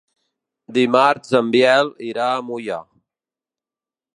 Dimarts en Biel irà a Moià.